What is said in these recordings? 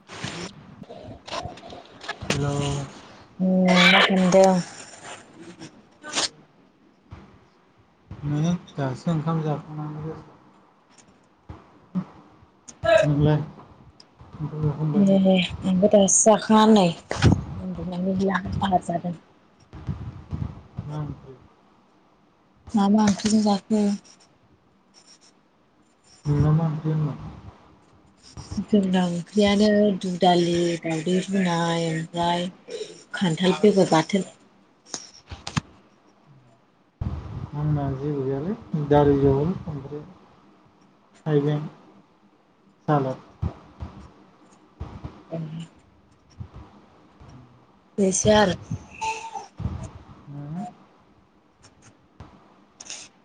[unintelligible] हेल'। [unintelligible] मानो दासो ओंखाम जाखांनानै नोंलाय। ओंखाम जाखांबाय ए आंबो दासो जाखाङा नै उन्दुनानै लाहार फाहार जादों। उम मा मा ओंख्रिजों जाखो। नोंना मा ओख्रि होनदों आं जोंना ओंख्रियानो दु दालि दावदै रुनाय ओमफ्राय खान्थाल बेगर बाथोन। आंना जेबो गैयालै। दालि जहल ओमफ्राय थाइबें सालाद। [inaudible] इसे आरो नोंना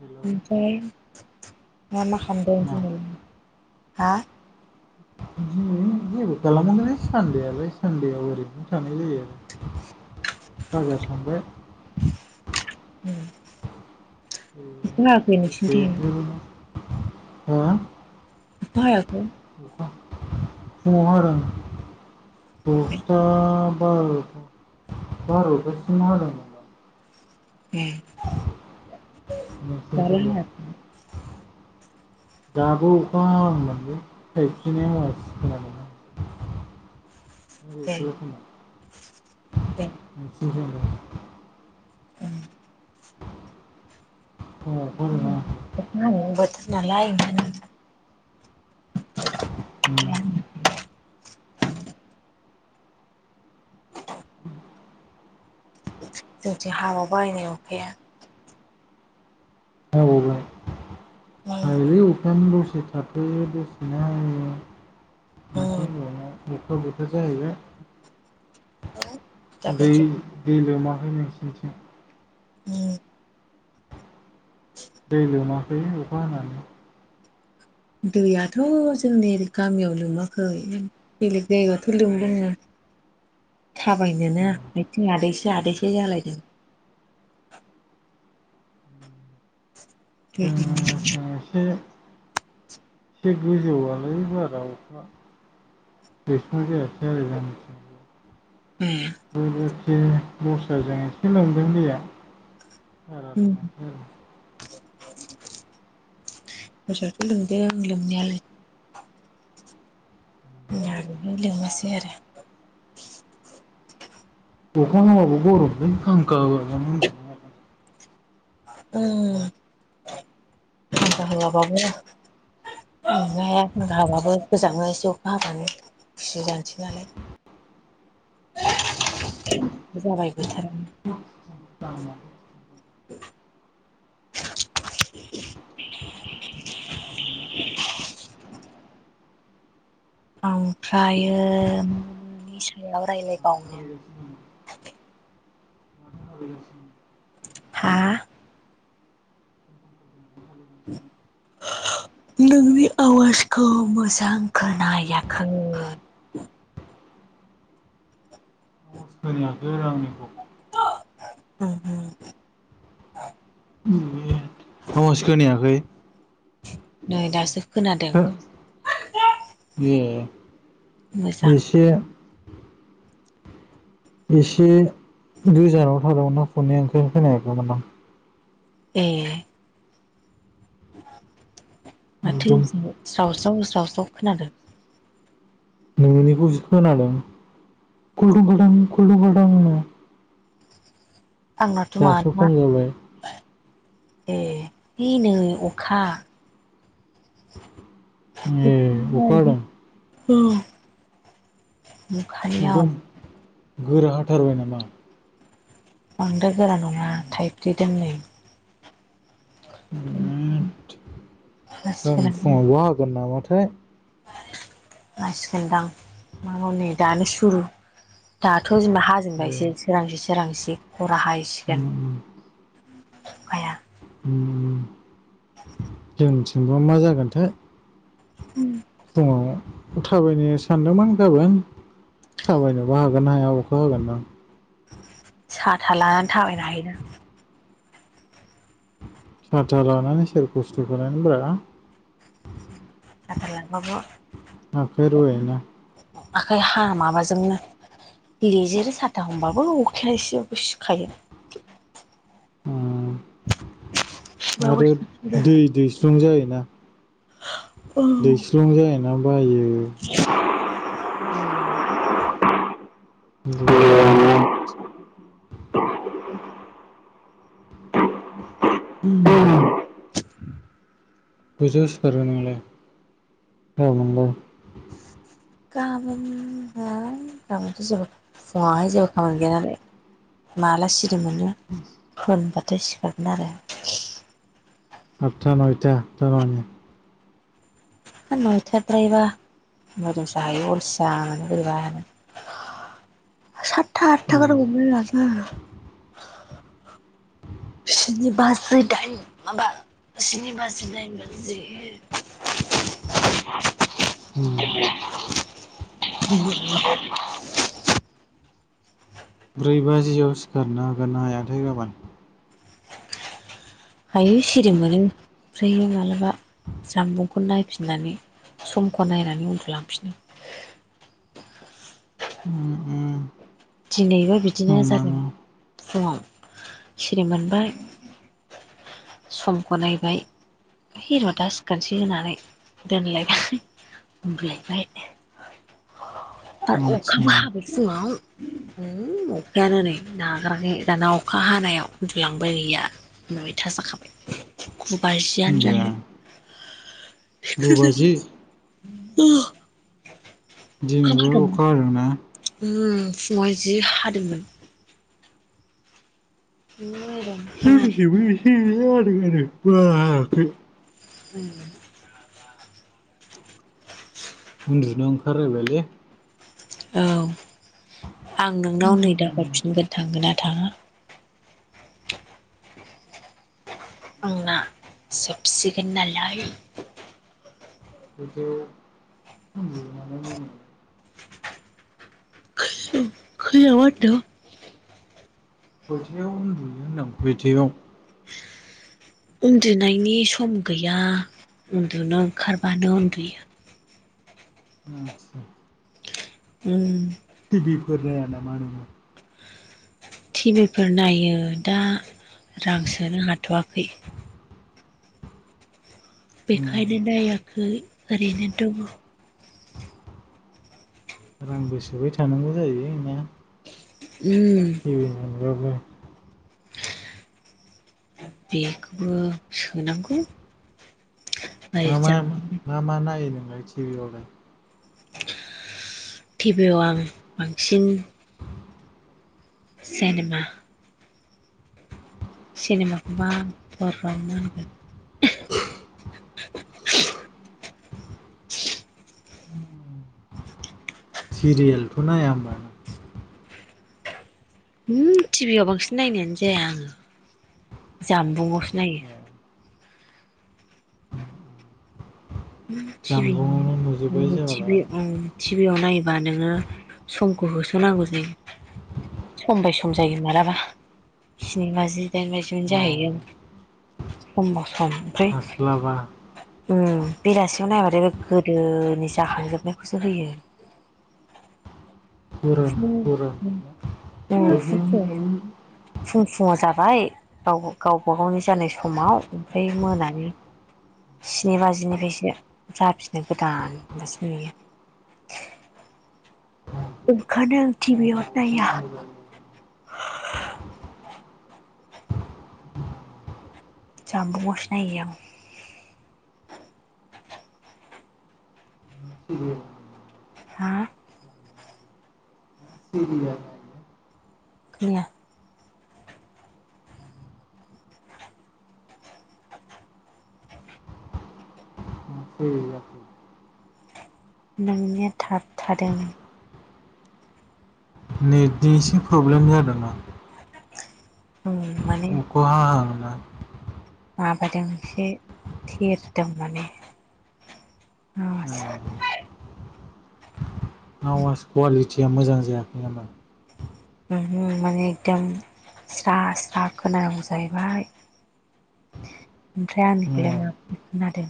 हेलौ ओमफ्राय मा मा खालामदों मा जेनेबा हा [unintelligible] जेबो खालामाखैनो सानदेआलाय सान्देआव ओरैनो थानाय जायो आरो बाजार थांबाय। अखा हायाखै नोंसिनिथिं [unintelligible] हा? अखा हायाखै? [unintelligible] फुङाव हादों। दसथा बार बरथासिम हादोंमो उम। हायाखै [inaudible] [inaudible] [unintelligible] दे। [unintelligible] [unintelligible] उम बोथोर नालाय ओंखायनो उम। जोंथिं हाबावबाय नै अखाया अबावबो उम बे अखायानो दसे थाथ'यो दसेनो हायो। माथो उम होनबावनो अखा बोथोर जाहैबाय। हेलौ। दै दै लोमाखै नोंसिनिथिं? दै लोमाखै अखा हानानै? दैयाथ' जोंनि गामियाव लोमाखै। बेलेग जायगायावथ लोमदोंनो। थाबायनोनो जोंनिथिं आथिं आदैसे आदैसे जालायदोंनो। दै लोमनानै जोंनिथिं एसे एसे गोजौनालाय बारा अखा। [unintelligible] [inaudible] बोलोरसे दस्राजों एसे लांदों दैया बारा लामसै आरो। दस्रायाथ' लोमदों लोमनायालाय। जोंना बिदि लोमासैय आरो। अखा हाबो गरमलै फांखा होवाबानो उम। [unintelligible] खुसि जानोसै नालाय। जाबाय बोथोराव। ओमफ्रायो मानि सायाव रायलायबावनो? [inaudible] [inaudible] हा नोंनि आवाजखौ मोजां खोनायाखै। आवाज खोनायाखै आंनिखौ [inaudible] उम उम आवास खोनाखै? नै दासो खोनादों [unintelligible] ए मोजां एसे एसे गोजानाव थादावना फन [unintelligible] ओंखायनो खोनायाखैमोन दां। ए माथो एकदम जावज्राव जावज्राव खोनादों। नोंनिखौसो खोनादों कुलटुं कुलटांनो आंनाथ' मा दासो खम जाबाय [unintelligible] ए नै अखा। अखा ए अखा हादों [unintelligible] एकदम गोरा हाथारबाय नामा? बांद्राय गोरा नङा थाइफ्रिदों नै। उम गाबोन हासिगोनानो फुङावबो हागोन नामाथाय। हासिगोनदां माथो नै दानो सुरु दाथ' जेनबा हाजेनबायसो सोरांसि सोरांसि एसे हराव हाहैसिगोन। अखाया उम जोंनिथिंबा मा जागोनथाय। उम फुङाव थाबायनो सानदोंमोन गाबोन। थाबायनोबा हागोना हाया अखा हागोन दां। साथा लानानै थाबायनो हायोना। साथा लानानै सोर खस्थ' बेरायनोब्रा। साथा लाबाबो आखाइ अखा रुवायोना [unintelligible] आखाइ हा माबाजोंनो लिजोरो साथा हमबाबो अखाया एसेबाबो सिखायो। उम‌ औ आरो दै दैस्रं जायोना दैस्रं जायोना बायो [inaudible] गैयामा [unintelligible] उम कैतायाव सिखारो नोंलाय औ नंगौ। गाबोन ओ गाबोनथ' [unintelligible] फुङाहाय जेबो खामानि गैया नालाय माला सिरि मोनो होनबाथाय सिखारगोन आरो। आदथा नयथा तार माने होद नयथा द्रायबा मोदोम साहैयो अलसिया बोरैबानो सातथा आतथाखो गार हमो माथो [unintelligible] स्नि बाजि दाइन माबा स्नि बाजि दाइन बाजि [unintelligible] [inaudible] उम‌ [unintelligible] ब्रै बाजियाव सिखारनो हागोन ना हायाथाय गाबोन? हायो सिरि मोनो ओमफ्रायो मालाबा जामबुं खौ नायफिननानै समखौ नायनानै उन्दुलांफिनो। उम‌ उम दिनैबो बिदिनो जादों फुङाव सिरि मोनबाय समखौ नायबाय है र' दा सिखारसै होनानै दोनलायबाय उन्दुलायबाय। [inaudible] आरो अखाबो हाबाय फुङाव। उम‌ अखायानो नै नागाराखै दाना अखा हानायाव उन्दुलांबाय गैया‌। नयथा जाखाबाय। गुबाजियानो गैया। जायो। गु बाजि? [unintelligible] अखा दिनैबो हादोंमोन अखा हादोंना? उम फुङावहाय जि हादोंमोन‌। [unintelligible] जोंनिखैबो एसे एनै हादों आरो बारा हायाखै। उम उन्दुनो ओंखार लायबायलै। औ आं नोंनाव नै दा हरफिनगोन थांगोन ना थाङा। आंना जोबसिगोन नालाय। [unintelligible] [unintelligible] खैयावाहोनदों गंसेयाव उन्दुयो होनदां बिदियाव। उन्दुनायनि सम गैया उन्दुनो ओंखारबानो उन्दुयो। आतसा उम टिभिफोर नाया नामा नोंङो? टिभिफोर नायो दा रां सोनो हाथ'आखै। बेखायनो नायाखै ओरैनो दङ। रांबो सोबाय थानांगौ जायो ना। उम टिभि [unintelligible] [inaudible] बेखौबो सोनांगौ। मा ओरै मा जों मा मा नायो नोंलाय टिभि आवलाय? टिभियाव आं बांसिन सेनेमा। सिनेमाखौबा बर'आव मा होनगोन? सिरियेलथ नाया होमबा? उमहु टिभियाव बांसिन नायनायानो जाया आङो जानबुंआवसो नायो। ए उम टिभिनि जामबुंआवनो नुजोब्बाय मबे जाबालाय टिभि आव टिभियाव नायोबा नोङो समखौ होसोनांगौ जायो। सम बाय सम जायो मालाबा स्नि बाजि दाइन औ बाजियावनो जाहैयो। समबाव सम ओमफ्राय हास्लाबा ओ बेलासियाव नायबाथाय बे गोदोनि जाखांजोबनायखौसो होयो। उम [unintelligible] फुं फुङाव जाबाय गाव गावबा गावनि जानाय समाव ओमफ्राय मोनानि स्नि बाजिनिफ्रायसो जाफिनो गोदान होनबासो नुयो। ओंखायनो आं टिभियाव नाया। जानबुंआवसो नायो आं। सिरिया। हा? सिरिया। [unintelligible] [unintelligible] नोंनिया थाबथादों। नेटनि एसे प्रब्लेम जादोंदां। उम माने [unintelligible] माबादों एसे थिरदों माने। ए आवास कुवालिटिया मोजां जायाखै नामा? उमहो माने एकदम स्रा स्रा खोनानांगौ जाहैबाय। ओमफ्राय ए आंनिखौलाय माबादि खोनादों?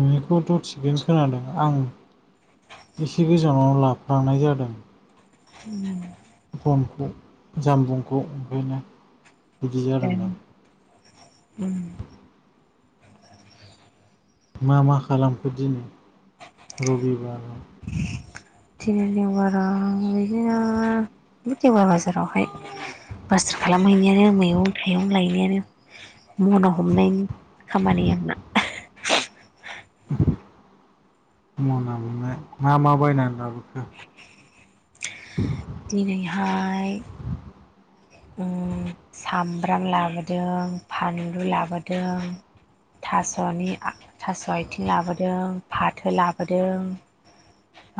नोंनिखौथ' थिगैनो खोनादों आं एसे गोजानाव लाफ्लांनाय जादों। [unintelligible] फनखौ जामबुंखौ ओखायनो ए ओम। मा मा खालामखो दिनै रबिबाराव? दिनै देवबाराव बिदिनो गिदिंबाय बाजारावहाय। बाजार खालामहैनायानो मैगं थाइगं लायनायानो मना हमनायनि खामानि आंना। मना हमनाय। मा मा बायना लाबोखो? दिनैहाय ओम सामब्राम लाबोदों फानलु लाबोदों। थास'नि आ-थास'आइथिं लाबोदों फाथो लाबोदों।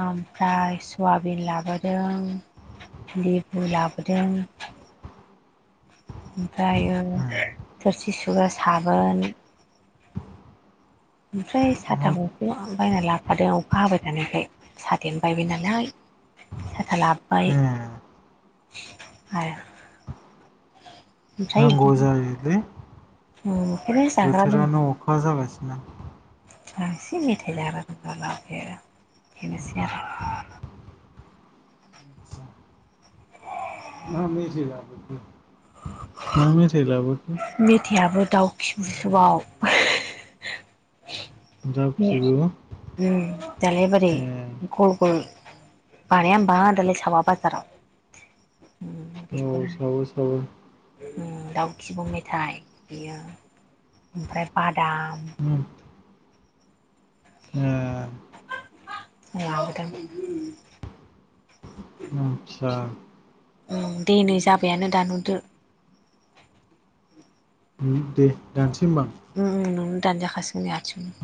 आमफ्राय सुवाबिन लाबोदों। लिबु लाबोदों। ओमफ्रायो ए थोरसि सुग्रा साबोन। ओमफ्राय साथा हाब गख आं बायना लाबफादों अखा हाबाय थानाय खाय। साथायानो बायबाय नालाय साथा लाबबाय। ए आरो। ओमफ्राय नांगौ इदिनो जायोलै जाग्रा लोंग्रा बोथोरानो अखा जागासिनो। [unintelligible] बेनोसै आरो। मा मेथाय लाबोखो मा मेथाय लाबोखो? मेथायाबो दाउ खिबुसोबाव। दाउ खिबु? उम दालाय बोरै गल गल बानाया होनबा दालाय सावा बाजाराव उम गोबाव बिखौनो। सावो सावो। उम दाउ खिबौ मेथाय बियो ओमफ्राय बादाम। उम। ए लाबोदों आतसा। उम दे नो जाबायानो दानहरदो। उम दे दानसै होमबा आं। उम उम नों दानजाखासिगोन हारसिंनो